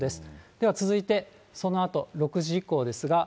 では続いてそのあと、６時以降ですが。